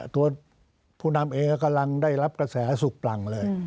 ตัวผู้นำเองกำลังได้รับกระแสสุขปลังเลย